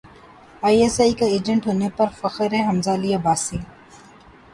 I S I کا ایجنٹ ہونے پر فخر ہے حمزہ علی عباسی